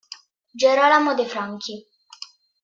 Gerolamo De Franchi